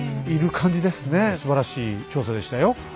すばらしい調査でしたよ。